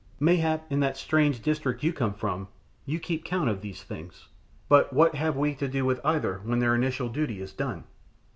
Mayhap in that strange district you come from you keep count of these things, but what have we to do with either when their initial duty is done.